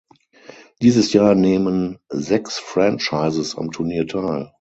Dieses Jahr nehmen sechs Franchises am Turnier teil.